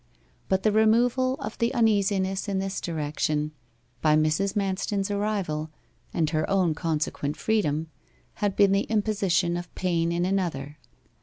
But the removal of the uneasiness in this direction by Mrs. Manston's arrival, and her own consequent freedom had been the imposition of pain in another.